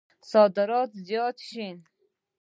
صادرات زیات شي.